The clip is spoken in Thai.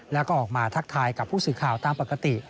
แล้วก็ออกมาทักทายกับผู้สื่อข่าวตามปกติ